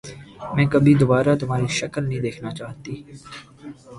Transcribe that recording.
میں کبھی دوبارہ تمہاری شکل نہیں دیکھنا چاہتی۔